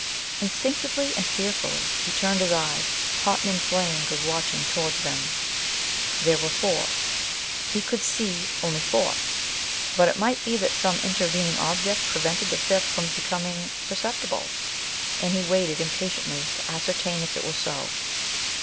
In stinctively and fearfully he turned his eyes, hot and inflamed with watch ing, towards them. There were FOUR ! He could see only four : but it 'might be that some intervening object pre vented the fifth from becoming per ceptible ; and he waited impatiently to ascertain if it were so.